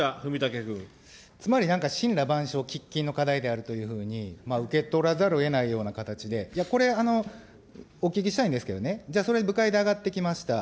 つまり、なんか神羅万象、喫緊の課題であるというふうに受け取らざるをえないような形で、いや、これ、お聞きしたいんですけどね、じゃあ、それ、部会で上がってきました。